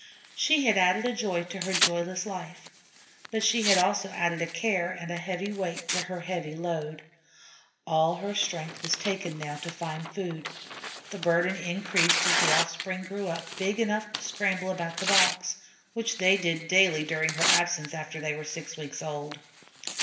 She had added a joy to her joyless life, but she had also added a care and a heavy weight to her heavy load. All her strength was taken now to find food. The burden increased as the offspring grew up big enough to scramble about the boxes, which they did daily during her absence after they were six weeks old.